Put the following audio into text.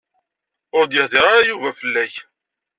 Ur d-yehdir ara Yuba fell-ak.